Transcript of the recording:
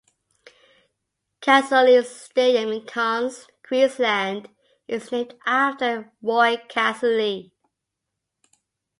Cazaly's Stadium in Cairns, Queensland is named after Roy Cazaly.